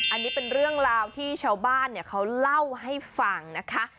อันนี้เป็นเรื่องราวที่ชาวบ้านเขาเล่าให้ฟังนะคะ